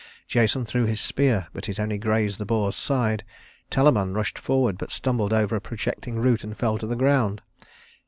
Jason threw his spear, but it only grazed the boar's side. Telamon rushed forward, but stumbled over a projecting root and fell to the ground.